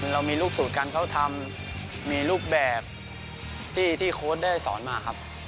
เรามีลูกสูตรการเขาทำมีรูปแบบที่โค้ดได้สอนมาครับ